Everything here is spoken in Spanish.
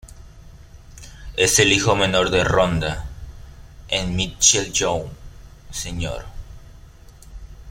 Es el hijo menor de Rhonda and Michael Young, Sr.